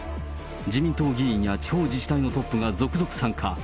自民党議員や地方自治体のトップが続々参加。